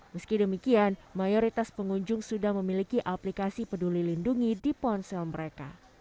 meski demikian mayoritas pengunjung sudah memiliki aplikasi peduli lindungi di ponsel mereka